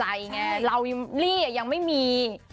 รีย์นี้ยังไม่มี